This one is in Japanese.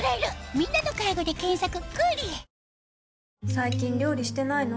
最近料理してないの？